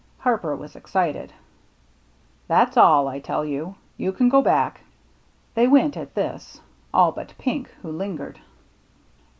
Harper was excited. " That's all, I tell you. You can go back." They went at this — all but Pink, who lingered.